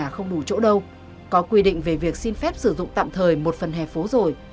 không đủ chỗ đâu có quy định về việc xin phép sử dụng tạm thời một phần hẻ phố rồi